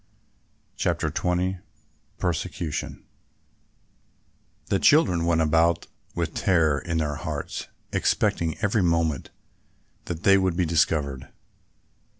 CHAPTER XX PERSECUTION The children went about with terror in their hearts expecting every moment that they would be discovered.